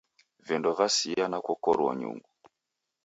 Vindo vasia nakokorua nyungu.